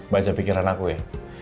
baca pikiran aku ya